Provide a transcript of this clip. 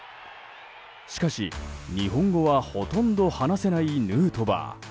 しかし、日本語はほとんど話せないヌートバー。